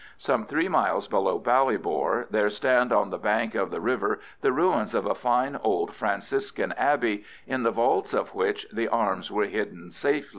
Some three miles below Ballybor there stand on the bank of the river the ruins of a fine old Franciscan Abbey, in the vaults of which the arms were safely hidden.